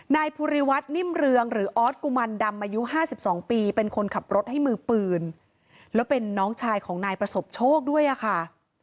นายภูริวัฒนิ่มเรืองหรือออสกุมันดำอายุห้าสิบสองปีเป็นคนขับรถให้มือปืนแล้วเป็นน้องชายของนายประสบโชคด้วยอะค่ะ